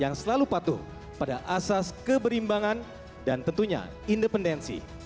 yang selalu patuh pada asas keberimbangan dan tentunya independensi